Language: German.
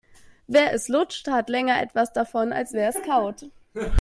Wer es lutscht, hat länger etwas davon, als wer es kaut.